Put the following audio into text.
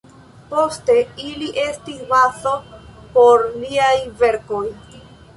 Poste ili estis bazo por liaj verkoj.